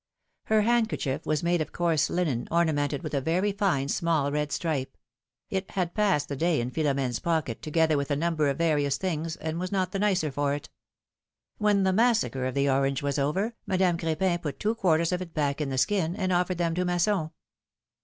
Her handkerchief w'as made of coarse linen, ornamented with a very fine, small red stripe; it had passed the day in Philomene's pocket, together with a number of various things, and was not the nicer for it. When the massacre of the orange was over, Madame Crepin put two quarters of it back in the skin, and offered them to Masson.